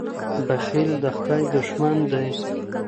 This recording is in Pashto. بخیل د خدای دښمن دی.